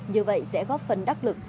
như vậy sẽ góp phần đắc lực